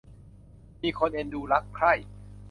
มีคนเอ็นดูรักใคร่